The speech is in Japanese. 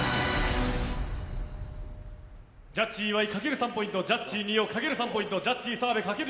ジャッジ岩井かける３ポイントジャッジ二葉、かける３ポイントジャッジ澤部、かける